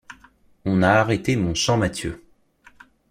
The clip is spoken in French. On a arrêté mon Champmathieu.